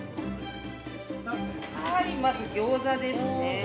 ◆まず、ギョーザですね。